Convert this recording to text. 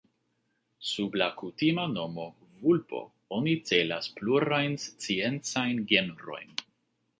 Sub la kutima nomo "vulpo" oni celas plurajn sciencajn genrojn.